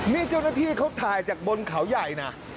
นี่เจ้าหน้าที่เขาถ่ายจากบนเขาใหญ่นะ